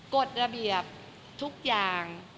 กฎระเบียบทุกอย่าง